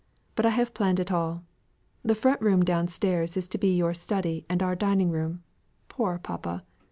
But I have planned it all. The front room down stairs is to be your study and our dining room (poor papa!)